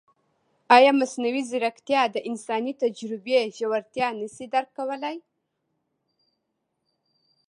ایا مصنوعي ځیرکتیا د انساني تجربې ژورتیا نه شي درک کولی؟